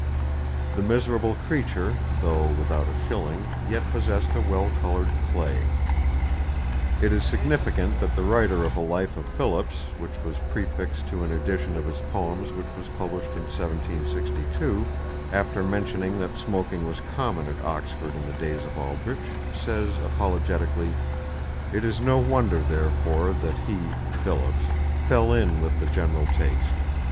_ The miserable creature, though without a shilling, yet possessed a well coloured "clay." It is significant that the writer of a life of Philips, which was prefixed to an edition of his poems which was published in 1762, after mentioning that smoking was common at Oxford in the days of Aldrich, says apologetically, "It is no wonder therefore that he [Philips] fell in with the general taste